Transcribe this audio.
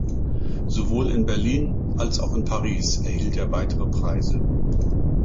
Sowohl in Berlin als auch in Paris erhielt er weitere Preise.